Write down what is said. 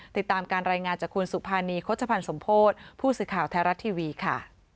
ติดตามการรายงานจากคุณสุภานีโฆษภัณฑ์สมโพธิ์ผู้สื่อข่าวไทยรัฐทีวีค่ะ